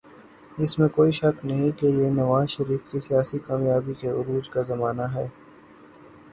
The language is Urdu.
اس میں کوئی شک نہیں کہ یہ نواز شریف کی سیاسی کامیابی کے عروج کا زمانہ ہے۔